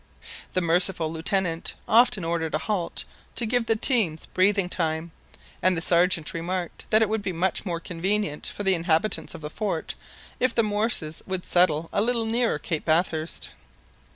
The merciful Lieutenant often ordered a halt to give the teams breathing time, and the Sergeant remarked that it would be much more convenient for the inhabitants of the fort, if the morses would settle a little nearer Cape Bathurst.